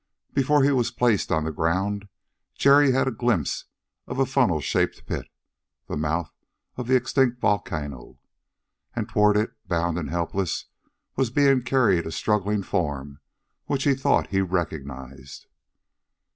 Before he was placed on the ground Jerry had a glimpse of a funnel shaped pit the mouth of the extinct volcano. And toward it, bound and helpless, was being carried a struggling form which he thought he recognized.